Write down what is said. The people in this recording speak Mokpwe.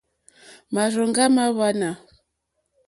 Márzòŋɡá mâ hwánà.